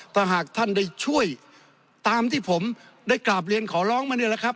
ถ้าหากท่านได้ช่วยตามที่ผมได้กราบเรียนขอร้องมาเนี่ยแหละครับ